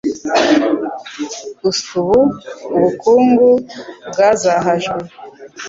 usa ubu, ubukungu bwazahajwe